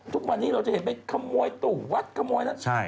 ทุกวันนี้เราจะเห็นไปขโมยตู่วัดขโมยนั้น